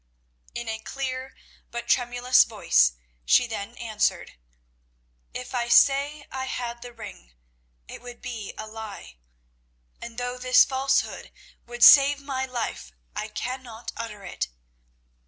In a clear but tremulous voice she then answered "If I say I had the ring, it would be a lie; and, though this falsehood would save my life, I cannot utter it.